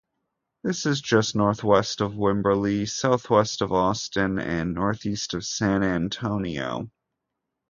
This is just northwest of Wimberley, southwest of Austin and northeast of San Antonio.